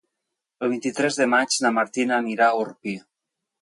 El vint-i-tres de maig na Martina anirà a Orpí.